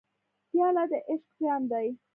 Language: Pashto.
پیاله د عشق جام ده.